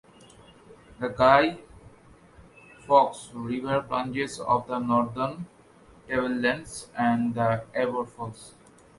The Guy Fawkes River plunges off the Northern Tablelands at the Ebor Falls.